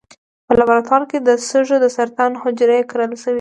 په لابراتوار کې د سږو د سرطان حجرې کرل شوي.